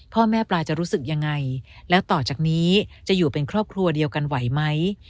หมอปลาจะรู้สึกยังไงแล้วต่อจากนี้จะอยู่เป็นครอบครัวเดียวกันไหวไหม